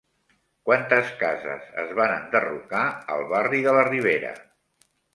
Quantes cases es van enderrocar al barri de la Ribera?